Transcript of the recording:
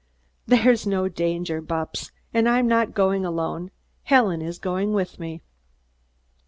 "There's no danger, Bupps; but I'm not going alone. Helen is going with me."